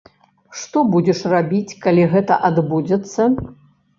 Што будзеш рабіць, калі гэта адбудзецца?